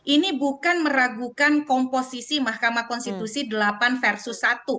ini bukan meragukan komposisi mahkamah konstitusi delapan versus satu